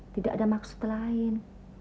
tidak ada maksud lain